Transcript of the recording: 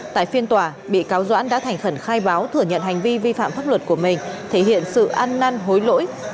tại phiên tòa bị cáo doãn đã thành khẩn khai báo thừa nhận hành vi vi phạm pháp luật của mình thể hiện sự ăn năn hối lỗi